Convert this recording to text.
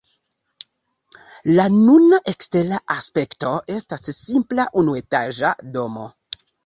La nuna ekstera aspekto estas simpla unuetaĝa domo.